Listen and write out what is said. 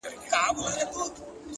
هره لاسته راوړنه له زحمت ځواک اخلي.